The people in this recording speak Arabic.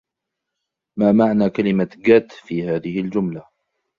ما معنى كلمة " get " في هذه الجملة ؟